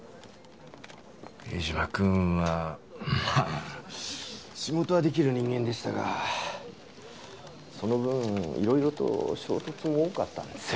江島君はまあ仕事は出来る人間でしたがその分色々と衝突も多かったんですよ。